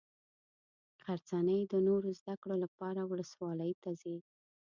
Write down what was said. غرڅنۍ د نورو زده کړو لپاره ولسوالي ته ځي.